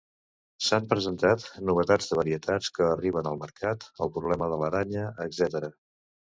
S'han presentat novetats de varietats que arriben al mercat, el problema de l'aranya, etc.